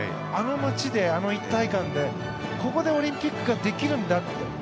あの街で、あの一体感でここでオリンピックができるんだって。